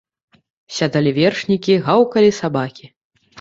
Сядалі вершнікі, гаўкалі сабакі.